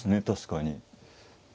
確かに。